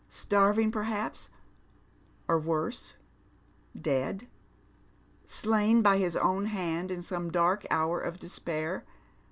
Starving, perhaps ; or worse — dead. Slain by his own hand in some dark hour of despair.